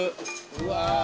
うわ。